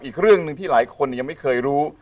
อีกเรื่องหนึ่งที่หลายคนยังไม่เคยรู้